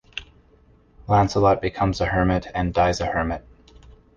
Lancelot becomes a hermit and dies a hermit.